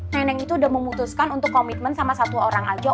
neneng itu udah memutuskan untuk komitmen sama satu orang aja